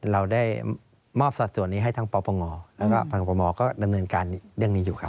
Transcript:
เราได้มอบสัดส่วนนี้ให้ทั้งปปงแล้วก็ทางปมก็ดำเนินการเรื่องนี้อยู่ครับ